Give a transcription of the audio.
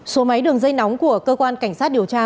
số máy đường dây nóng của cơ quan cảnh sát điều tra